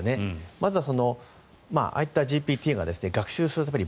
まず、ああいったＧＰＴが学習するために